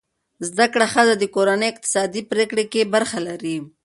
زده کړه ښځه د کورنۍ اقتصادي پریکړې کې برخه لري.